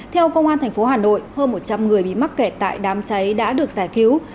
theo công an tp hà nội hơn một trăm linh người bị mắc kẹt tại đám cháy đã được giải cứu